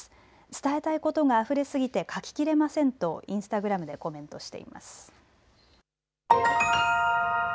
伝えたいことがあふれすぎて書ききれませんとインスタグラムでコメントしています。